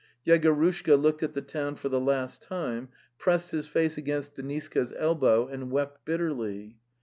Yegorushka looked at the town for the last time, pressed his face against Deniska's el bow, and wept bitterly.